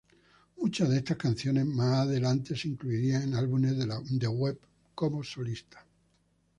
Muchas de esas canciones más adelante se incluirán en álbumes de Webb como solista.